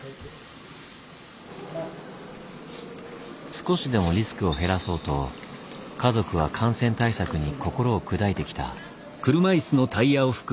少しでもリスクを減らそうと家族は感染対策に心を砕いてきた。